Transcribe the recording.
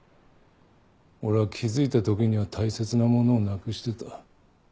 俺は気付いた時には大切なものをなくしてた。